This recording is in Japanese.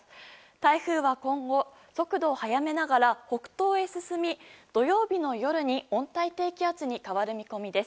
台風は今後速度を速めながら北東へ進み土曜日の夜に温帯低気圧に変わる見込みです。